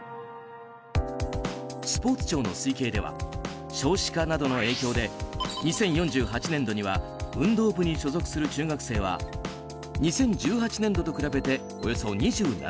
スポーツ庁の推計では少子化などの影響で２０４８年度には運動部に所属する中学生は２０１８年度と比べておよそ２７％